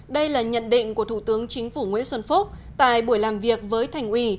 đây là nhận định của thủ tướng chính phủ nguyễn xuân phúc tại buổi làm việc với thành ủy